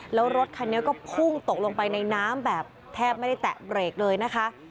แล้วรถคันนี้ก็พุ่งตกลงไปในน้ำแบบแทบไม่ได้แตะเบรกเลยนะคะ